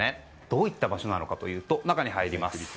どういった場所かというと中に入ります。